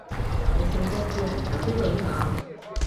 你送隻智能手錶俾我